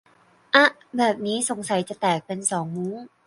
อ๊ะ แบบนี้สงสัยจะแตกเป็นสองมุ้ง